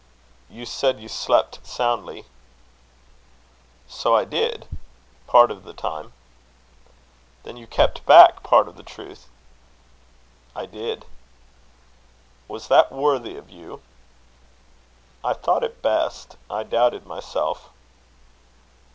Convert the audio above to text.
"You said you slept soundly." "So I did, part of the time." "Then you kept back part of the truth?" "I did." "Was that worthy of you?" "I thought it best: I doubted myself."